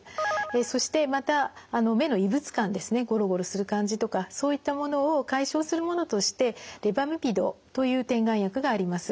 そしてまた目の異物感ですねゴロゴロする感じとかそういったものを解消するものとしてレバミピドという点眼薬があります。